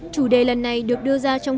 chủ đề lần này được đưa ra trong hội nghị